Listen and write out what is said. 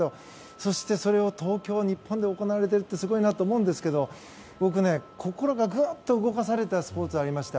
そして、それを東京日本で行われているってすごいなって思うんですけど僕、心がぐっと動かされたスポーツがありました。